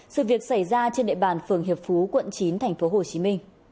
sự việc xảy ra trên địa bàn phường hiệp phú quận chín tp hcm